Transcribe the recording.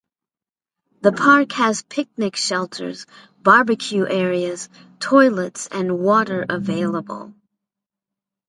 The park has picnic shelters, barbecue areas, toilets and water available.